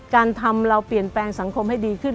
การทำเราเปลี่ยนแปลงสังคมให้ดีขึ้น